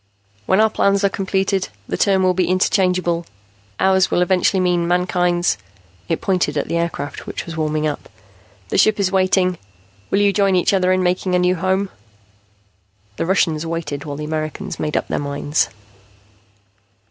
"When our plans are completed, the term will be interchangeable. 'Ours' will eventually mean mankind's." It pointed at the aircraft, which was warming up. "The ship is waiting. Will you join each other in making a new home?" The Russians waited while the Americans made up their minds.